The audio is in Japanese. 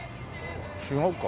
違うか。